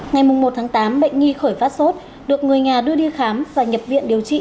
ngày một tháng tám bệnh nhi khởi phát sốt được người nhà đưa đi khám và nhập viện điều trị